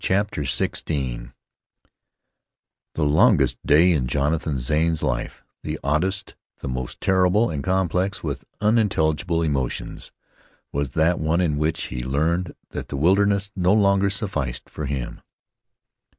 CHAPTER XVI The longest day in Jonathan Zane's life, the oddest, the most terrible and complex with unintelligible emotions, was that one in which he learned that the wilderness no longer sufficed for him.